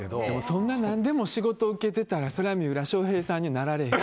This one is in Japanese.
そんな何でも仕事を受けてたら三浦翔平さんになられへん。